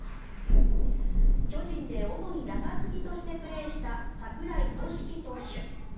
巨人で主に中継ぎとしてプレーした桜井俊貴投手。